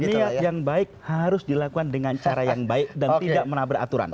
niat yang baik harus dilakukan dengan cara yang baik dan tidak menabrak aturan